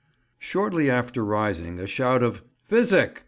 Shortly after rising a shout of "Physic!"